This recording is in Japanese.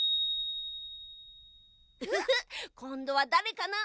フフフッこんどはだれかな？